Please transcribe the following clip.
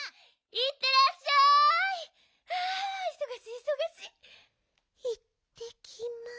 いってきます。